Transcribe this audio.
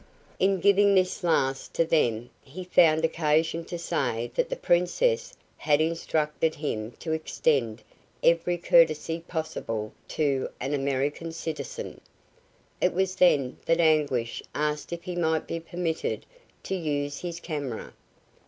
In giving this last to them he found occasion to say that the princess had instructed him to extend every courtesy possible to an American citizen. It was then that Anguish asked if he might be permitted to use his camera.